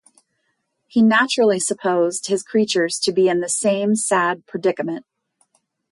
He naturally supposed his creatures to be in the same sad predicament.